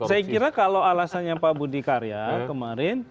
saya kira kalau alasannya pak budi karya kemarin